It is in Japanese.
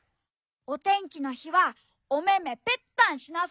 おてんきのひはおめめペッタンしなさいって。